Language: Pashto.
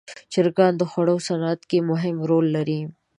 چرګان د خوړو صنعت کې مهم رول لري.